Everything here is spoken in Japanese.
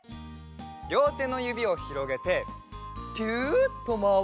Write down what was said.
りょうてのゆびをひろげてピュッとまわすよ。